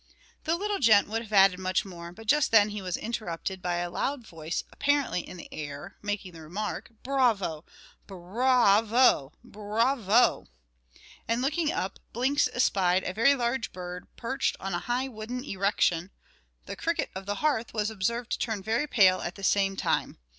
The little gent would have added much more; but just then he was interrupted by a loud voice, apparently in the air, making the remark "Bravo! br r ravo! bravo!" And looking up, Blinks espied a very large bird perched on a high wooden erection; the cricket of the hearth was observed to turn very pale at the same time.